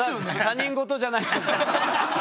他人事じゃない。